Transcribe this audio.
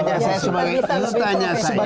ini ditanya saya sebagai